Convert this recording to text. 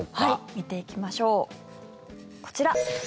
見ていきましょうこちら。